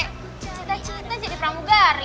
cita cita jadi pramugari